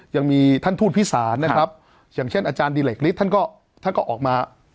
ยังมีท่านทูตพิสารนะครับอย่างเช่นอาจารย์ดิเหล็กฤทธิ์ท่านก็ท่านก็ออกมา